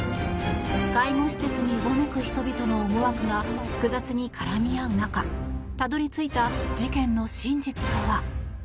介護施設にうごめく人々の思惑が複雑に絡み合う中たどり着いた事件の真実とは。